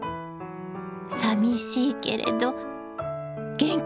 さみしいけれど元気でね。